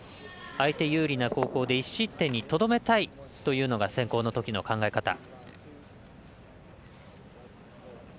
相手有利な後攻で１失点にとどめたいというのが先攻のときの考え方。